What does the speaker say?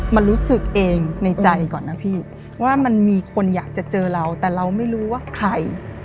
มันรู้สึกเองในใจก่อนนะพี่ว่ามันมีคนอยากจะเจอเราแต่เราไม่รู้ว่าใคร